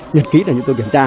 nhật ký để chúng tôi kiểm tra